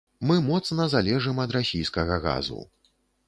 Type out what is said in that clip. Мы моцна залежым ад расійскага газу.